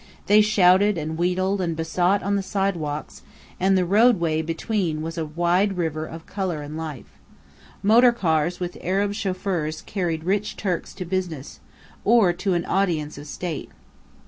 They shouted and wheedled and besought on the sidewalks; and the roadway between was a wide river of colour and life. Motor cars with Arab chauffeurs carried rich Turks to business, or to an audience of State.